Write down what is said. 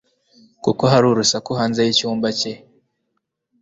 kuko hari urusaku hanze yicyumba cye